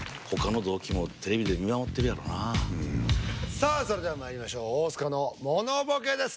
さあそれではまいりましょう大須賀のものボケです